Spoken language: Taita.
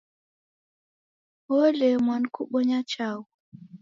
Wolemwa nikubonya chaghu